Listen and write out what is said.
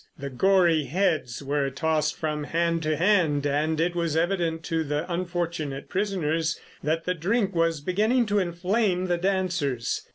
The gory heads were tossed from hand to hand, and it was evident to the unfortunate prisoners that the drink was beginning to inflame the dancers.